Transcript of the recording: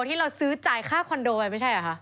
ที่เราซื้อจ่ายค่าคอนโดไปไม่ใช่เหรอคะ